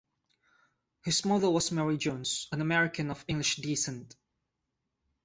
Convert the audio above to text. His mother was Mary Jones, an American of English descent.